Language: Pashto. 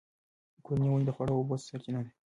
کورني ونې د خواړو او اوبو سرچینه ده.